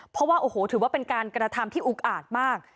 เพราะว่าโอ้โหถือว่าเป็นการกระทำที่อุกอาจมาก